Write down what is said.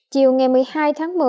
chiều ngày một mươi hai tháng một mươi